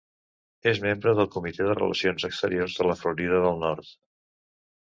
És membre del Comitè de Relacions Exteriors de la Florida del Nord.